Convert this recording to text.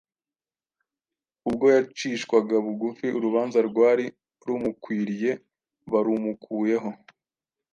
Ubwo yacishwaga bugufi, urubanza rwari rumukwiriye barumukuyeho;